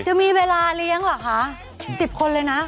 จะมีเวลาเลี้ยงเหรอคะ๑๐คนเลยนะ